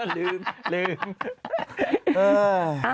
ลืมลืม